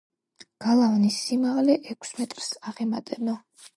გალავნის სიმაღლე ექვს მეტრს აღემატება.